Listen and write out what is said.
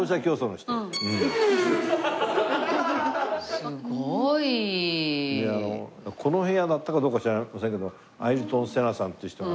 すごい！この部屋だったかどうか知りませんけどアイルトン・セナさんっていう人がね。